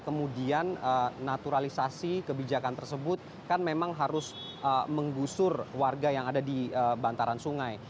kemudian naturalisasi kebijakan tersebut kan memang harus menggusur warga yang ada di bantaran sungai